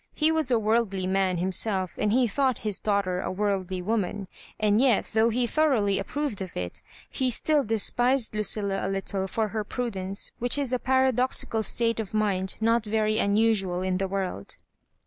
He was a worldly man himself, and he thought his daughter a worldly woman ; and yel, though he thoroughly approved of it, he still despised Lucilla a little for her prudence, which is a para doxical state of mind not very unusual in the world.